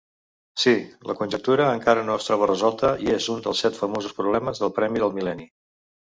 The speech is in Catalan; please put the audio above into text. Sí, la conjectura encara no està resolta i és un dels set famosos Problemes del Premi del Mil·lenni.